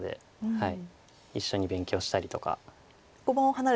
はい。